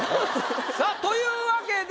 さあというわけで。